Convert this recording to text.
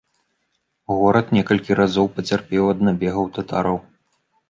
Горад некалькі разоў пацярпеў ад набегаў татараў.